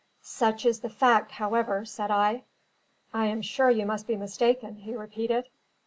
"Such is the fact, however," said I. "I am sure you must be mistaken," he repeated.